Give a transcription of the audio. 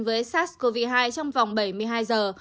với sars cov hai trong vòng bảy mươi hai giờ